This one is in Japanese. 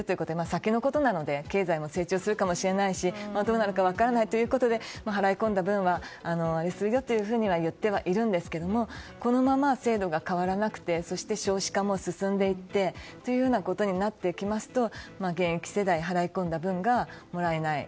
先のことなので経済も成長するかもしれないしどうなるか分からないということで払い込んだ分はというふうには言ってはいるんですがこのまま制度が変わらなくて少子化も進んでいってということになってきますと現役世代は払い込んだ分がもらえない。